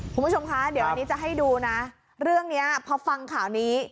คุณผู้ชมคะเดี๋ยวอันนี้จะให้ดูนะเรื่องนี้พอฟังข่าวนี้